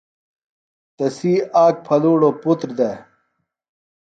تسی آک پھلُوڑوۡ پُتر دےۡ۔